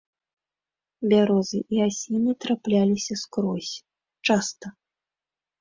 Бярозы і асіны трапляліся скрозь, часта.